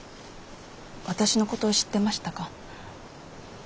私のこと知ってましたか？